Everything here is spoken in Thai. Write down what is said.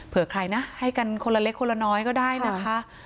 ใครนะให้กันคนละเล็กคนละน้อยก็ได้นะคะ